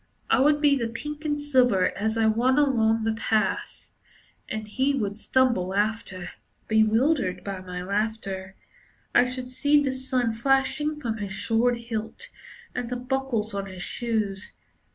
I would be the pink and silver as I ran along the paths, And he would stumble after, Bewildered by my laughter. I should see the sun flashing from his sword hilt and the buckles on his shoes.